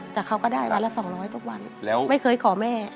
แต่เขาก็ได้วันละ๒๐๐ทุกวันแล้วไม่เคยขอแม่